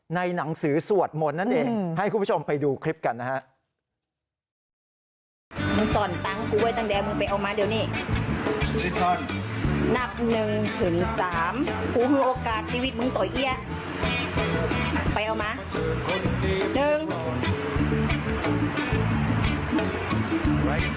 ในหนังสือสวดมนต์นั่นเองให้คุณผู้ชมไปดูคลิปกันนะฮะ